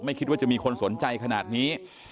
คิดว่าจะมีคนสนใจขนาดนี้